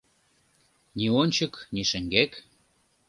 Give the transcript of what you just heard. Ни ончык, ни шеҥгек!